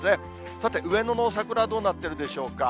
さて、上野の桜どうなってるでしょうか。